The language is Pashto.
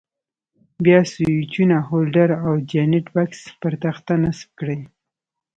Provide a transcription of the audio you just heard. بیا سویچونه، هولډر او جاینټ بکس پر تخته نصب کړئ.